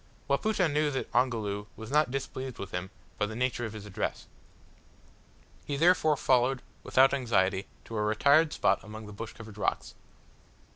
Wapoota knew that Ongoloo was not displeased with him by the nature of his address. He therefore followed, without anxiety, to a retired spot among the bush covered rocks.